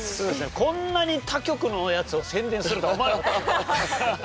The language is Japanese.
こんなに他局のやつを宣伝するとは思わなかった。